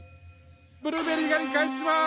ブルーベリー狩り開始します！